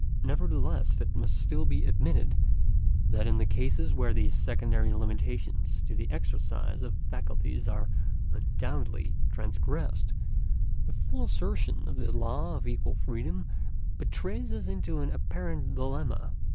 Nevertheless, it must still be admitted, that in cases where these secondary limitations to the exercise of faculties are un doubtedly transgressed, the full assertion of this law of equal freedom betrays us into an apparent dilemma.